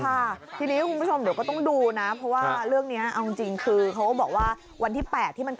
ค่ะทีนี้คุณผู้ชมเดี๋ยวก็ต้องดูนะเพราะว่าเรื่องเนี้ยเอาจริงจริง